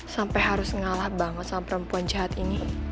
sampai harus ngalah banget sama perempuan jahat ini